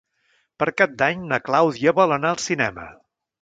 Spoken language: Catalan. Per Cap d'Any na Clàudia vol anar al cinema.